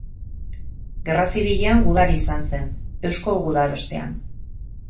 Gerra Zibilean gudari izan zen, Eusko Gudarostean.